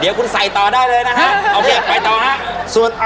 เดี๋ยวคุณใส่ต่อได้เลยนะฮะโอเคไปต่อฮะ